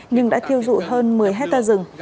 nhưng đã thiêu dụ hơn một mươi hectare rừng